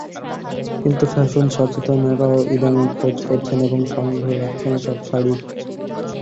কিন্তু ফ্যাশন সচেতনেরাও ইদানীং খোঁজ করছেন এবং সংগ্রহে রাখছেন এসব শাড়ির।